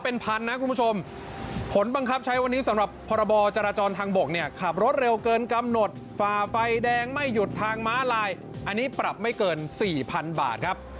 เป็นพันนะคุณผู้ชมผลบังคับใช้วันนี้สำหรับพรบจราจรทางบกเนี่ยขับรถเร็วเกินกำหนดฝ่าไฟแดงไม่หยุดทางม้าลายอันนี้ปรับไม่เกิน๔๐๐๐บาทครับ